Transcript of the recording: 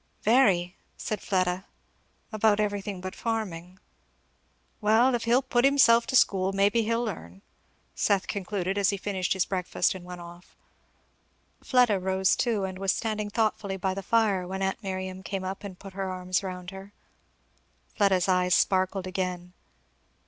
"Very," Fleda said, "about everything but farming." "Well if he'll put himself to school maybe, he'll learn," Seth concluded as he finished his breakfast and went off. Fleda rose too, and was standing thoughtfully by the fire, when aunt Miriam came up and put her arms round her. Fleda's eyes sparkled again.